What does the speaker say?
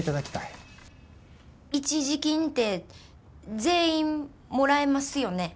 一時金って全員もらえますよね？